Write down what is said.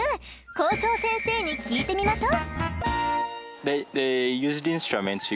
校長先生に聞いてみましょう。